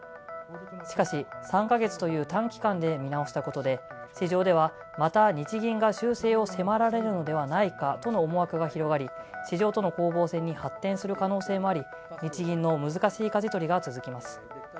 しかし３か月という短期間で見直したことで市場ではまた日銀が修正を迫られるのではないかとの思惑が広がり市場との攻防戦に発展する可能性もあり、日銀の難しいかじ取りが続きます。